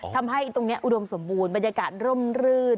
ทำให้ตรงนี้อุดมสมบูรณ์บรรยากาศร่มรื่น